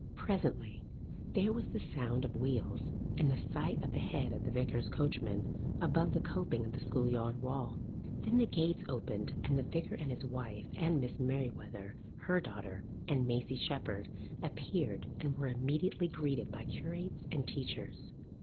Presently there was the sound of wheels and the sight of the head of the vicar's coachman above the coping of the schoolyard wall. Then the gates opened and the vicar and his wife and Miss Merewether, her daughter, and Maisie Shepherd appeared and were immediately greeted by curates and teachers.